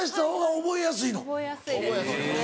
覚えやすいです